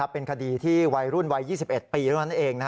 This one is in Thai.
เป็นคดีที่วัยรุ่นวัย๒๑ปีของเขาเอง